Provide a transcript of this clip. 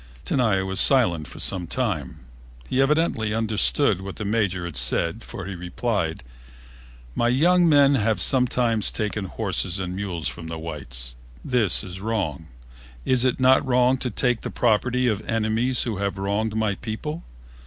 Tenaya was silent for some time. He evidently understood what the Major had said, for he replied, "My young men have sometimes taken horses and mules from the whites. This was wrong. It is not wrong to take the property of enemies who have wronged my people.